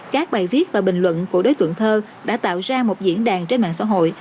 các bài viết và bình luận của đối tượng thơ đã tạo ra một diễn đàn trên mạng xã hội